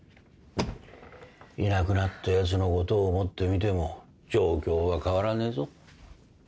いなくなったやつのことを思ってみても状況は変わらねえぞ。